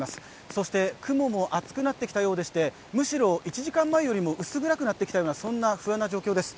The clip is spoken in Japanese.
そして雲も厚くなってきたようでしてむしろ１時間前よりも薄暗くなってきたようなそんな不安な状況です。